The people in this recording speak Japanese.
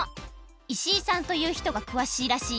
石井さんというひとがくわしいらしいよ。